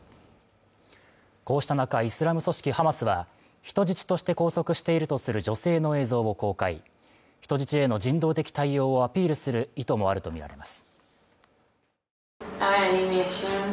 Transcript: こうした中イスラム組織ハマスは人質として拘束しているとする女性の映像を公開人質への人道的対応をアピールする意図もあるとみられます